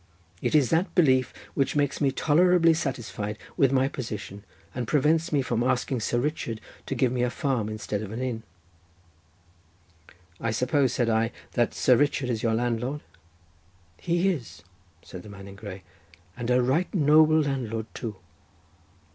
It is that belief which makes me tolerably satisfied with my position, and prevents me from asking Sir Richard to give me a farm instead of an inn." "I suppose," said I, "that Sir Richard is your landlord?" "He is," said the man in grey, "and a right noble landlord too."